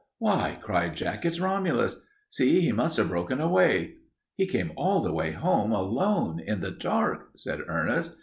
"Why," cried Jack, "it's Romulus. See, he must have broken away." "He came all the way home alone in the dark," said Ernest.